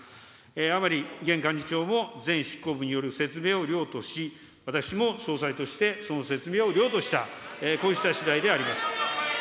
甘利現幹事長も前執行部による説明を了とし、私も総裁としてその説明を了とした、こうした次第であります。